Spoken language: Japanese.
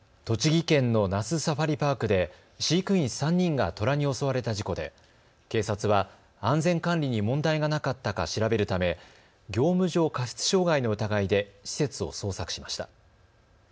栃木県の那須サファリパークで飼育員３人がトラに襲われた事故で警察は安全管理に問題がなかったか調べるため業務上過失傷害の疑いで施設を捜索しました。